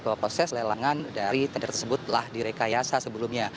bahwa proses lelangan dari tenda tersebut telah direkayasa sebelumnya